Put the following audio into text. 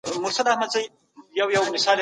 ارام چلند درناوی ساتي.